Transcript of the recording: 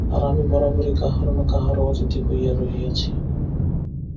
আর আমি বরাবরই কাহারও না কাহারও অতিথি হইয়া রহিয়াছি।